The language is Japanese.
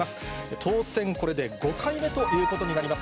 当選、これで５回目ということになります。